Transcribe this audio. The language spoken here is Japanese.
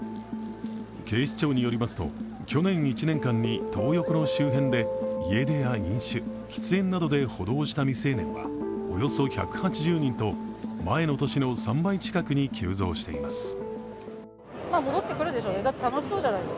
警視庁によりますと、去年１年間にトー横の周辺で家出や飲酒喫煙などで補導した未成年はおよそ１８０人と、前の年の３倍近くに急増しています。